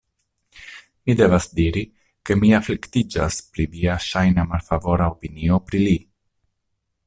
Mi devas diri, ke mi afliktiĝas pri via ŝajna malfavora opinio pri li.